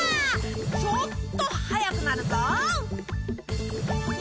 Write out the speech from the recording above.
ちょっと速くなるぞ。